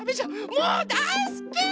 もうだいすき！